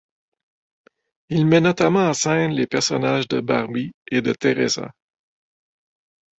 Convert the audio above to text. Il met notamment en scène les personnages de Barbie et de Teresa.